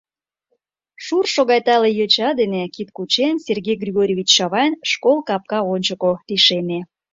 ...Шуршо гай тале йоча дене, кид кучен, Сергей Григорьевич Чавайн школ капка ончыко лишеме.